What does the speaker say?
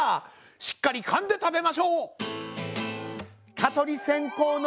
しっかりかんでたべましょう！